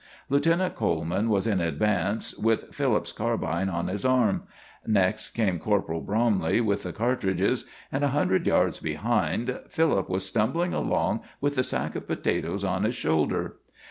Lieutenant Coleman was in advance, with Philip's carbine on his arm; next came Corporal Bromley, with the cartridges; and a hundred yards behind, Philip was stumbling along with the sack of potatoes on his shoulder.